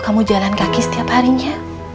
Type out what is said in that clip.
kamu jalan kaki setiap harinya